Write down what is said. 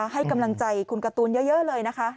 ให้กำลังใจคุณการ์ตูนเยอะเลยนะคะ